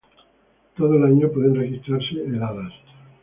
Todo el año pueden registrarse heladas.